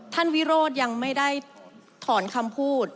วิโรธยังไม่ได้ถอนคำพูด